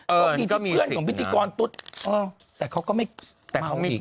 เอิ่นก็มีสิ่งนะแต่เขาก็ไม่เมาอีก